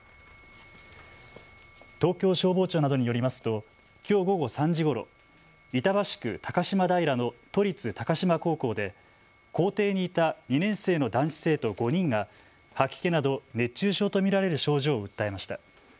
東京消防庁などによりますときょう午後３時ごろ板橋区高島平の都立高島高校で校庭にいた２年生の男子生徒５人が吐き気など熱中症と見られる症状を訴えました。